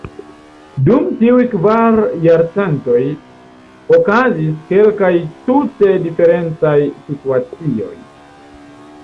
Dum tiuj kvar jarcentoj, okazis kelkaj tute diferencaj situacioj.